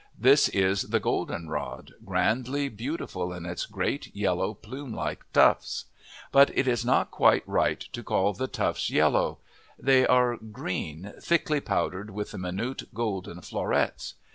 This is the golden rod, grandly beautiful in its great, yellow, plume like tufts. But it is not quite right to call the tufts yellow: they are green, thickly powdered with the minute golden florets.